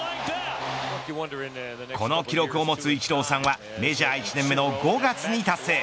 この記録を持つイチローさんはメジャー１年目の５月に達成。